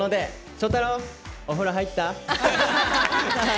笑太郎、お風呂入った？